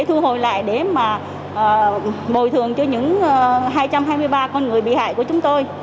thu hồi lại để mà bồi thường cho những hai trăm hai mươi ba con người bị hại của chúng tôi